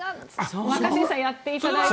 若新さんやっていただいて。